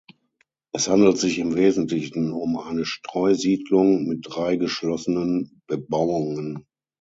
Es handelt sich im Wesentlichen um eine Streusiedlung mit drei geschlossenen Bebauungen.